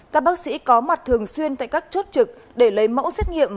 các bác sĩ có mặt thường xuyên tại các chốt trực để lấy mẫu xét nghiệm